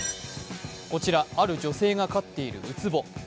こちらある女性が飼っているウツボ。